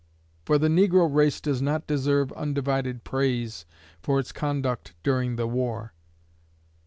For the negro race does not deserve undivided praise for its conduct during the war.